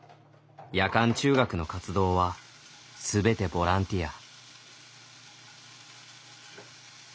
夜間中学の活動は全てボランティア。